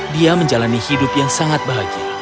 dia menjalani hidup yang sangat bahagia